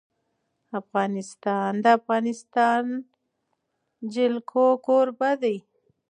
افغانستان د د افغانستان جلکو کوربه دی.